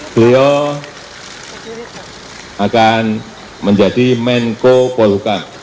beliau akan menjadi menko polhukam